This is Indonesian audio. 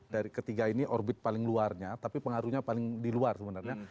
dari ketiga ini orbit paling luarnya tapi pengaruhnya paling di luar sebenarnya